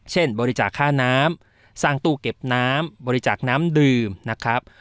บริจาคค่าน้ำสร้างตู้เก็บน้ำบริจาคน้ำดื่มนะครับ